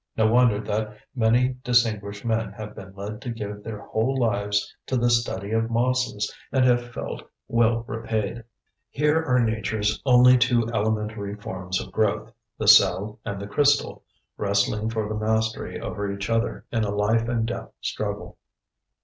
No wonder that many distinguished men have been led to give their whole lives to the study of mosses and have felt well repaid. Here are Nature's only two elementary forms of growth, the cell and the crystal, wrestling for the mastery over each other in a life and death struggle.